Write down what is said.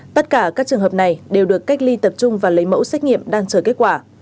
tất cả các trường hợp này đều được cách ly tập trung và lấy mẫu xét nghiệm đang chờ kết quả